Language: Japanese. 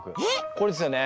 これですよね？